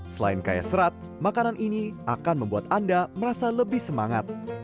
selain kaya serat makanan ini akan membuat anda merasa lebih semangat